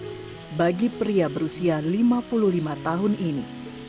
dan yang berat bagi pria berusia lima puluh lima tahun ini